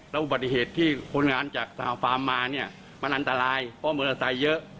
แล้วอุบัติเหตุที่คนงานจากสหฟาร์มมาเนี่ยมันอันตรายเพราะมอเตอร์ไซค์เยอะ